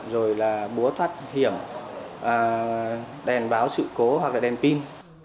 rồi là búa thoát hiểm đèn báo sự cố hoặc là đèn pin